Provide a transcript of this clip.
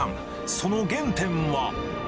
その原点は。